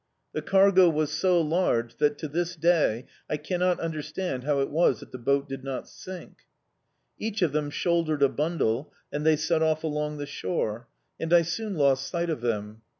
The cargo was so large that, to this day, I cannot understand how it was that the boat did not sink. Each of them shouldered a bundle, and they set off along the shore, and I soon lost sight of them.